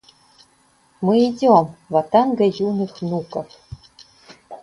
Мы идем — ватага юных внуков!